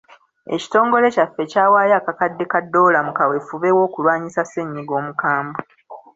Ekitongole kyaffe kyawayo akakadde ka ddoola mu kaweefube w'okulwanyisa ssenyiga omukambwe.